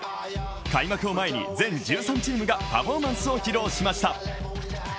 開幕を前に全１３チームがパフォーマンスを披露しました。